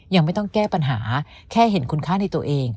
ยังไม่ต้องแก้ปัญหาแค่เห็นคุณค่าในตัวเอง